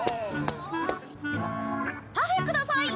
パフェください！